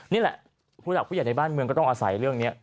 นี่แหละผู้หลักผู้ใหญ่ในบ้านเมืองก็ต้องอาศัยเรื่องนี้